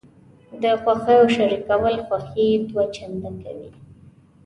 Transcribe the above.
د خوښیو شریکول خوښي دوه چنده کوي.